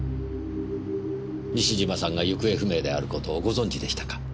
西島さんが行方不明である事をご存じでしたか。